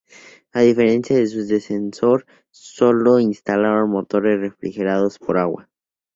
A diferencia de su predecesor, solo se instalaron motores refrigerados por agua.